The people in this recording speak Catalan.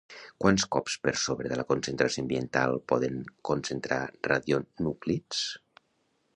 Quants cops per sobre de la concentració ambiental poden concentrar radionúclids?